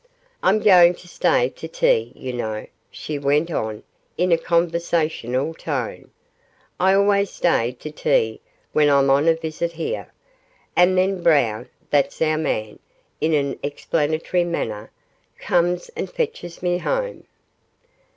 'I'm going to stay to tea, you know,' she went on in a conversational tone. 'I always stay to tea when I'm on a visit here, and then Brown that's our man,' in an explanatory manner, 'comes and fetches me home.